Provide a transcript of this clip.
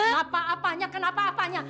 kenapa apanya kenapa apanya